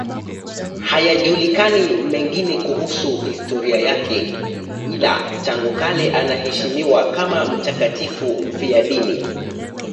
Hayajulikani mengine kuhusu historia yake, ila tangu kale anaheshimiwa kama mtakatifu mfiadini.